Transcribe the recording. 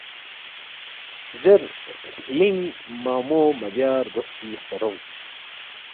زیر ہلینگ منگمو مہ بیا رگوسپی خپرونگ